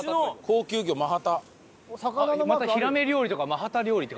ヒラメ料理とかマハタ料理って。